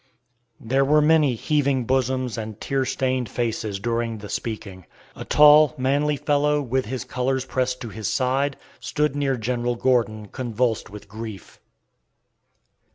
There were many heaving bosoms and tear stained faces during the speaking. A tall, manly fellow, with his colors pressed to his side, stood near General Gordon, convulsed with grief.